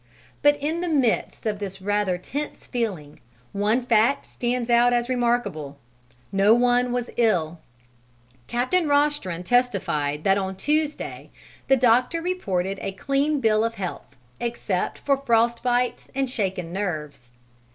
But in the midst of this rather tense feeling, one fact stands out as remarkable no one was ill. Captain Rostron testified that on Tuesday the doctor reported a clean bill of health, except for frost bites and shaken nerves.